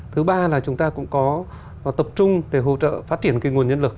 thứ ba là chúng ta cũng có tập trung để hỗ trợ phát triển cái nguồn nhân lực